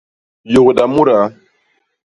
Yôgda mudaa.